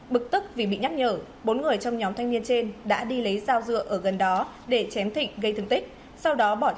bực tức vì bị nhắc nhở bốn người trong nhóm thanh niên trên đã đi lấy giá